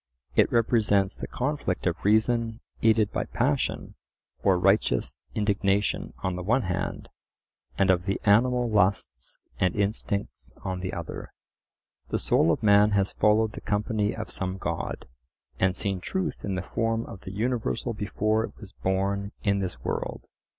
It represents the conflict of reason aided by passion or righteous indignation on the one hand, and of the animal lusts and instincts on the other. The soul of man has followed the company of some god, and seen truth in the form of the universal before it was born in this world.